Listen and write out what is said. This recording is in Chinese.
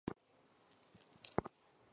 东北三肋果为菊科三肋果属下的一个种。